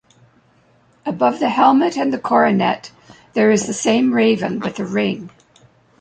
Above the helmet and the coronet there is the same raven with a ring.